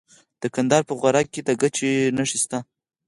د کندهار په غورک کې د ګچ نښې شته.